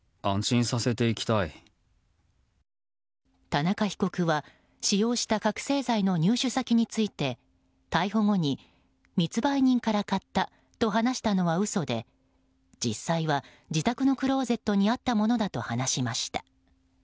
田中被告は使用した覚醒剤の入手先について逮捕後に、密売人から買ったと話したのは嘘で実際は自宅のクローゼットにあったものだと話しました。